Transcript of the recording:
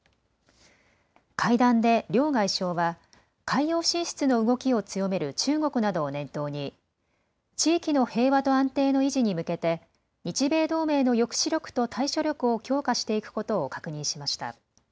会談で両外相は海洋進出の動きを強める中国などを念頭に、地域の平和と安定の維持に向けて日米同盟の抑止力と対処力を強化していくことを確認しました。